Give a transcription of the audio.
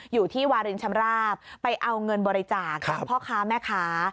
อยู่ที่วารินชำราบไปเอาเงินบริจาคจากพ่อค้าแม่ค้า